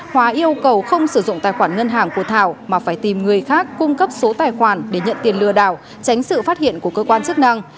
hòa yêu cầu không sử dụng tài khoản ngân hàng của thảo mà phải tìm người khác cung cấp số tài khoản để nhận tiền lừa đảo tránh sự phát hiện của cơ quan chức năng